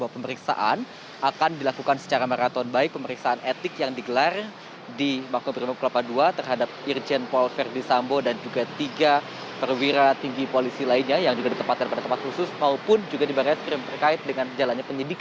pemeriksaan di markas korps brimo polri